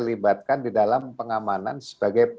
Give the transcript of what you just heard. libatkan di dalam pengamanan sebagai